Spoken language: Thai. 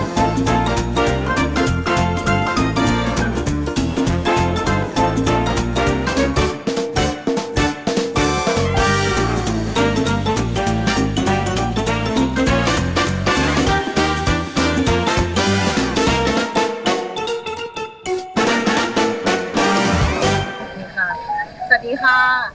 สวัสดีค่ะสวัสดีค่ะ